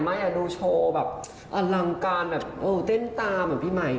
ดูโชว์แบบอลังการแบบเต้นตาเหมือนพี่ไหม